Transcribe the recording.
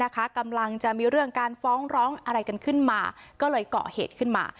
กำลังจะมีเรื่องการฟ้องร้องอะไรกันขึ้นมาก็เลยเกาะเหตุขึ้นมา